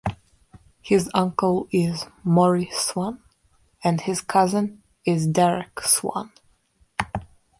His uncle is Maurice Swan and his cousin is Derek Swan.